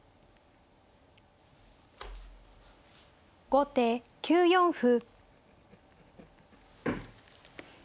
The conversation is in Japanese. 後手９四歩。